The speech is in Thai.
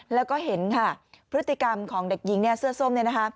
แล้วก็เห็นค่ะพฤติกรรมของเด็กหญิงเสื้อส้ม